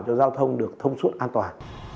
cho giao thông được thông suốt an toàn